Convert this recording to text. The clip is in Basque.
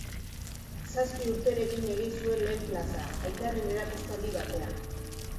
Zazpi urterekin egin zuen lehen plaza, aitaren erakustaldi batean.